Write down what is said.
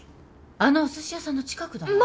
あのおすし屋さんの近くだわ。